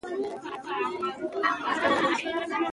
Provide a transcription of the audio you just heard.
د پیسو په ګټلو کې باید حریص نه اوسو.